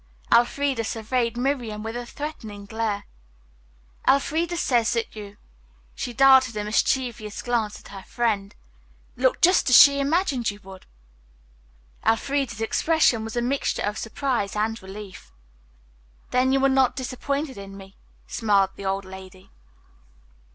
Elfreda surveyed Miriam with a threatening glare. "Elfreda says that you" she darted a mischievous glance at her friend "look just as she imagined you would." Elfreda's expression was a mixture of surprise and relief. "Then you are not disappointed in me," smiled the old lady.